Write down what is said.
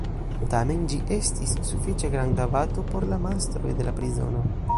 Tamen, ĝi estis sufiĉe granda bato por la mastroj de la prizono.